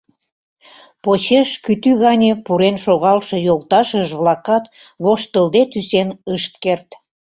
Почеш кӱтӱ гане пурен шогалше йолташыж-влакат воштылде тӱсен ышт керт.